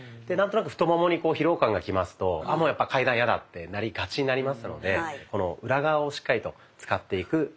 何となく太ももに疲労感がきますと「ああもうやっぱ階段嫌だ」ってなりがちになりますのでこの裏側をしっかりと使っていく。